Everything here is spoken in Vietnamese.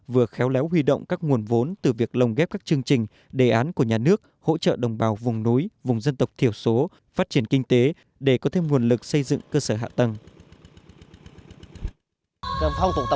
vừa khéo léo huy động các nguồn vốn từ việc lồng ghép các chương trình đề án của nhà nước hỗ trợ đồng bào vùng núi vùng dân tộc thiểu số phát triển kinh tế để có thêm nguồn lực xây dựng cơ sở hạ tầng